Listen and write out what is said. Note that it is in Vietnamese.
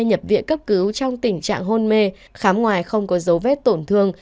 nhập viện cấp cứu trong tình trạng hôn mê khám ngoài không có dấu vết tổn thương